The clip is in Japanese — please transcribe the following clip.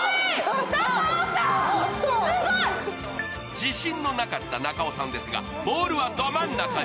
自信のなかった中尾さんですがボールはど真ん中に。